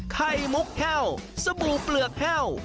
ไข่มุกแห้วสบู่เปลือกแห้ว